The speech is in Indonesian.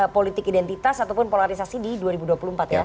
politik identitas ataupun polarisasi di dua ribu dua puluh empat ya pak